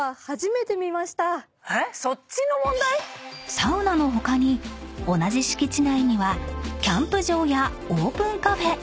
［サウナの他に同じ敷地内にはキャンプ場やオープンカフェ］